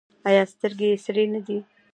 ایا سترګې یې سرې نه دي؟